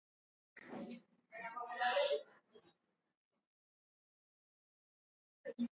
Ubingwa wa vilabu vya Ulaya mwaka elfu mbili na mbili